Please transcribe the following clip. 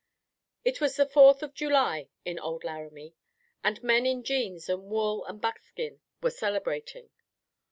It was the Fourth of July in Old Laramie, and men in jeans and wool and buckskin were celebrating.